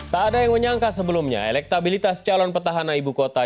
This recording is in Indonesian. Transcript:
tak ada yang menyangka sebelumnya elektabilitas calon petahana ibu kota